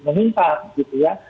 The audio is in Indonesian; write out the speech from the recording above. meminta gitu ya